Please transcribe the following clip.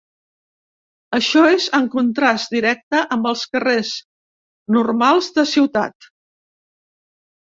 Això és en contrast directe amb els carrers normals de ciutat.